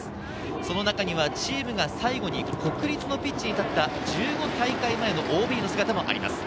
その中にはチームが最後に国立のピッチに立った１５大会前のＯＢの姿もあります。